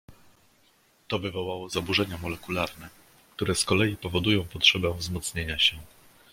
"To wywołało zaburzenia molekularne, które z kolei powodują potrzebę wzmocnienia się."